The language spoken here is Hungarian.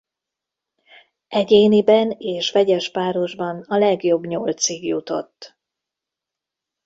Egyéniben és vegyes párosban a legjobb nyolcig jutott.